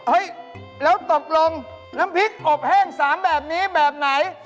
เฮ้ยแล้วตกลงน้ำพริกอบแห้ง๓แบบนี้แบบไหน